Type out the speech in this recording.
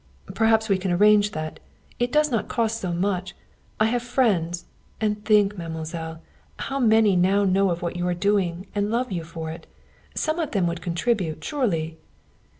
"Perhaps we can arrange that. It does not cost so much. I have friends and think, mademoiselle, how many know now of what you are doing, and love you for it. Some of them would contribute, surely."